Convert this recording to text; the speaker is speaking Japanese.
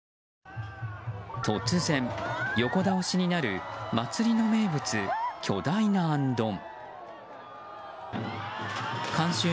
突然横倒しになる祭りの名物、巨大なあんどん。